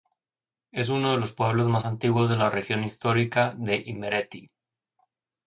Es uno de los pueblos más antiguos de la región histórica de Imereti.